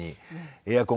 エアコン